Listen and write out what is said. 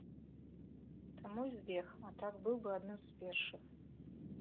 Таму і збег, а так быў бы адным з першых.